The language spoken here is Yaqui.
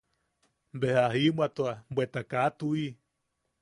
Beja a jibwatua, bweta kaa tuʼi.